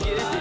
tem di game